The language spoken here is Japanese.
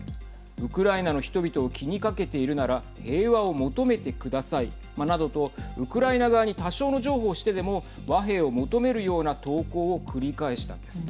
ウクライナの人々を気にかけているなら平和を求めてくださいなどとウクライナ側に多少の譲歩をしてでも和平を求めるような投稿を繰り返したんです。